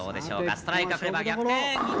ストライクを取れば逆転！